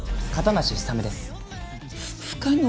ふ不可能？